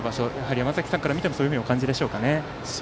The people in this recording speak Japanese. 山崎さんから見てもそういうふうにお感じでしょうか。